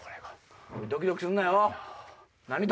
ドキドキすんなよ！